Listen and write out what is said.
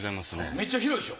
めっちゃ広いでしょ。